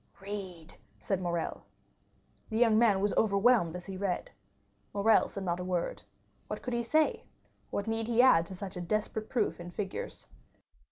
"Read!" said Morrel. The young man was overwhelmed as he read. Morrel said not a word. What could he say? What need he add to such a desperate proof in figures?